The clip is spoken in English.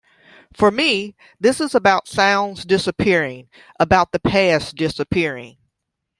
For me this is about sounds disappearing, about the past disappearing.